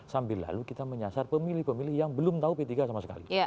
sambil lalu kita menyasar pemilih pemilih yang belum tahu p tiga sama sekali